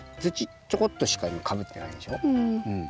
土ちょこっとしかかぶってないでしょ。